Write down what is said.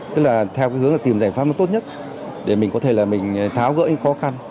tức là theo cái hướng là tìm giải pháp nó tốt nhất để mình có thể là mình tháo gỡ những khó khăn